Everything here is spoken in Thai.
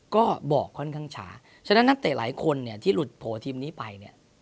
ก็บอกค่อนข้างช้าฉะนั้นนักเตะหลายคนเนี่ยที่หลุดโผล่ทีมนี้ไปเนี่ย